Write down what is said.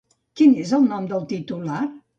Quin és el nom del titular?